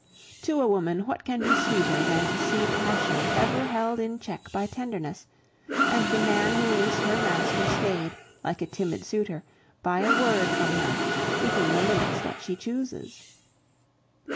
To a woman what can be sweeter than to see passion ever held in check by tenderness, and the man who is her master stayed, like a timid suitor, by a word from her, within the limits that she chooses?